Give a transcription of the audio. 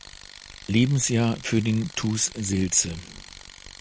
Lebensjahr für den TuS Seelze.